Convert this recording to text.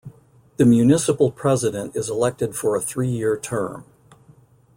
The municipal president is elected for a three-year term.